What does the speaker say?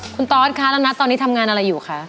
คุณตอสคะแล้วนัทตอนนี้ทำงานอะไรอยู่คะ